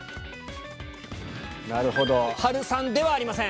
波瑠さんではありません。